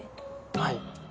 はい。